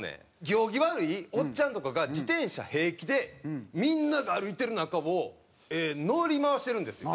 行儀悪いおっちゃんとかが自転車平気でみんなが歩いてる中を乗り回してるんですよ。